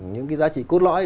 những giá trị cốt lõi